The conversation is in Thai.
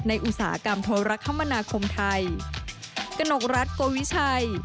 ในอุตสาหกรรมธรรมนาคมไทย